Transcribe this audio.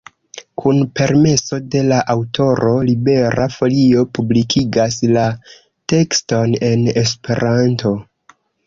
Kun permeso de la aŭtoro Libera Folio publikigas la tekston en Esperanto.